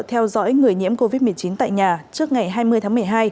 theo dõi người nhiễm covid một mươi chín tại nhà trước ngày hai mươi tháng một mươi hai